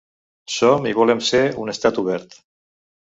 Som i volem ser un estat obert.